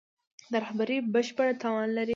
د رهبري بشپړ توان لري.